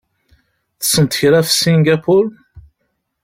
Tessneḍ kra ɣef Singapur?